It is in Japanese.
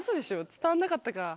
伝わんなかったか。